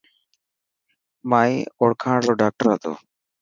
مائي اوڙکاڻ رو ڊاڪٽر هتو.